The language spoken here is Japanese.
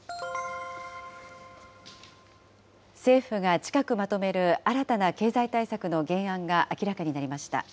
政府が近くまとめる新たな経済対策の原案が明らかになりました。